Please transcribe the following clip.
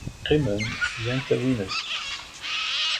Qqimen, gan tawinest.